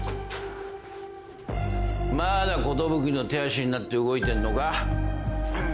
まだ寿の手足になって動いてんのか？